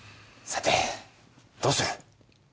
さてどうする？